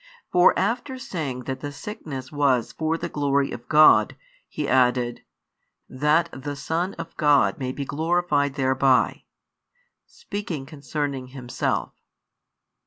For after saying that the sickness was for the glory of God, He added: That the Son of God may be glorified thereby, speaking concerning Himself.